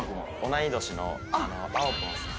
同い年のあおぽんさん。